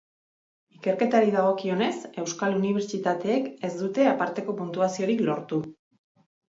Ikerketari dagokionez, euskal unibertsitateek ez dute aparteko puntuaziorik lortu.